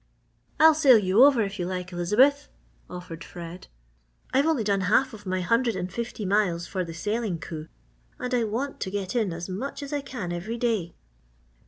"I'll sail you over if you like, Elizabeth," offered Fred. "I've only done half of my hundred and fifty miles for the sailing coup and I want to get in as much as I can every day."